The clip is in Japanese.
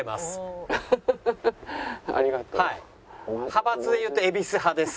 派閥でいうと蛭子派です。